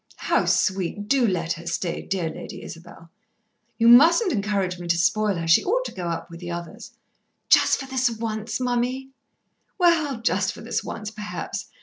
"How sweet! Do let her stay, dear Lady Isabel." "You mustn't encourage me to spoil her. She ought to go up with the others." "Just for this once, mummy." "Well, just for this once, perhaps.